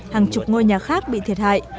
hàng chục ngôi nhà khác bị thiệt hại